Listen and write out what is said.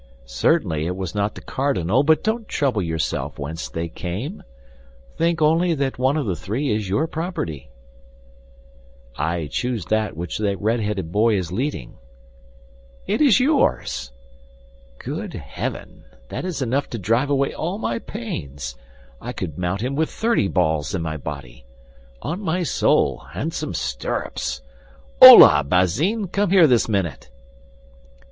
"Certainly it was not the cardinal; but don't trouble yourself whence they come, think only that one of the three is your property." "I choose that which the red headed boy is leading." "It is yours!" "Good heaven! That is enough to drive away all my pains; I could mount him with thirty balls in my body. On my soul, handsome stirrups! Holà, Bazin, come here this minute."